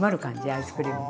アイスクリームが。